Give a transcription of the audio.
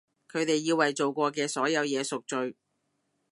佢哋要為做過嘅所有嘢贖罪！